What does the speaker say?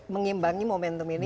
mengimbangi momentum ini